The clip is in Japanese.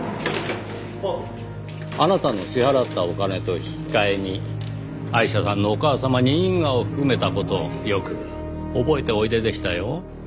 あなたの支払ったお金と引き換えにアイシャさんのお母様に因果を含めた事よく覚えておいででしたよ。